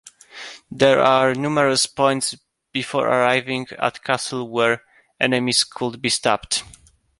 There are numerous points before arriving at castle where enemies could be stopped.